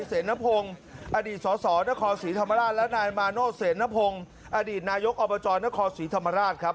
ของคุณผู้ชมเรือนจำการนะครศรีธรรมราชนะครับ